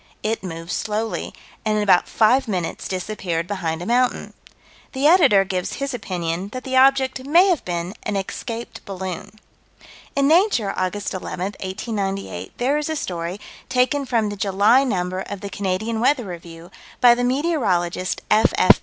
It moved slowly, and in about five minutes disappeared behind a mountain. The Editor gives his opinion that the object may have been an escaped balloon. In Nature, Aug. 11, 1898, there is a story, taken from the July number of the Canadian Weather Review, by the meteorologist, F.F.